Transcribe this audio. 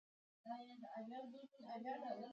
د افغانستان د شاته پاتې والي یو ستر عامل ګاونډي جګړې دي.